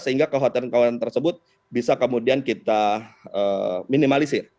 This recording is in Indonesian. sehingga kekhawatiran kekhawatiran tersebut bisa kemudian kita minimalisir